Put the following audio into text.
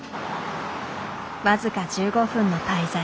僅か１５分の滞在。